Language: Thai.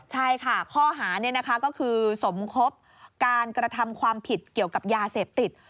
ใช่ค่ะข้อหานี้นะคะก็คือสมคบการกระทำความผิดเกี่ยวกับยาเสพติด